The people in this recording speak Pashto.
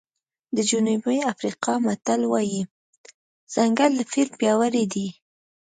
د جنوبي افریقا متل وایي ځنګل له فیل پیاوړی دی.